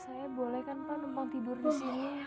saya boleh kan pak numpang tidur disini